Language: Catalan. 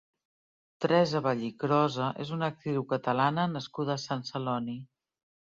Teresa Vallicrosa és una actriu Catalana nascuda a Sant Celoni.